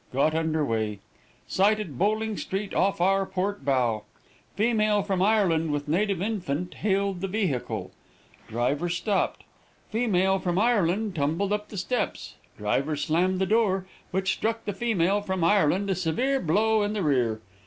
Got under way. Sighted Bowling Green off our port bow. Female from Ireland with native infant hailed the vehicle. Driver stopped. Female from Ireland tumbled up the steps. Driver slammed the door, which struck the female from Ireland a severe blow in the rear.